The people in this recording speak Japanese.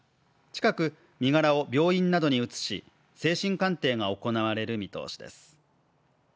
近く、身柄を病院などに移し、精神鑑定が行われる見通しです。